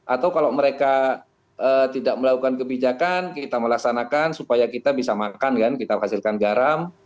atau kalau mereka tidak melakukan kebijakan kita melaksanakan supaya kita bisa makan kan kita menghasilkan garam